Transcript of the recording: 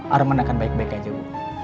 arman akan baik baik aja bu